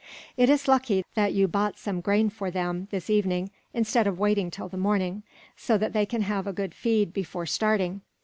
"It is lucky that you bought some grain for them, this evening, instead of waiting till the morning, so they can have a good feed before starting."